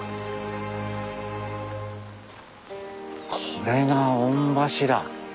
これが御柱。